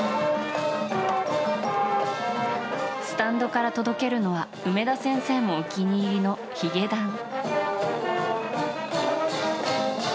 スタンドから届けるのは梅田先生もお気に入りのヒゲダン。